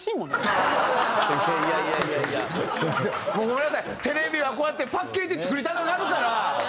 ごめんなさいテレビはこうやってパッケージ作りたがるから。